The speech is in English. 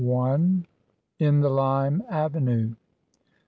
IN THE LIME AVENUE.